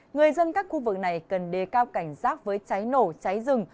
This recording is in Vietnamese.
người dân các khu vực này cần đề cao cảnh giác với cháy nổ cháy rừng